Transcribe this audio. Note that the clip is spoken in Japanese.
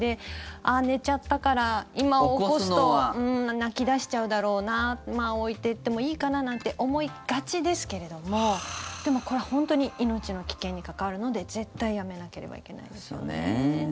寝ちゃったから、今起こすと泣き出しちゃうだろうな置いていってもいいかななんて思いがちですけれどもでもこれは本当に命の危険に関わるので絶対やめなければいけないですよね。